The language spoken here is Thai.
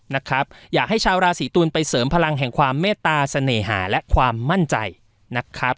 นะครับอยากให้ชาวราศีตุลไปเสริมพลังแห่งความเมตตาเสน่หาและความมั่นใจนะครับ